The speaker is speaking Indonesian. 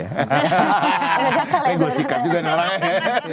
ini gue sikat juga nih orangnya